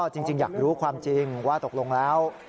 จริงอยากรู้ความจริงว่าตกลงแล้ว